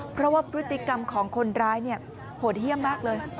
เพราะว่าพฤติกรรมของคนร้ายโหดเยี่ยมมากเลย